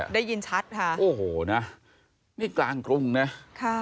ได้ยินชัดค่ะโอ้โหนะนี่กลางกรุงนะค่ะ